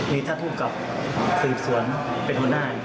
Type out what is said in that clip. มีท่าทุกกับสืบสวนเป็นหัวหน้า๕คน